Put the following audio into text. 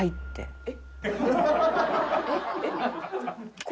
えっ！？